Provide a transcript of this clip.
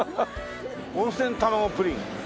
温泉卵プリン。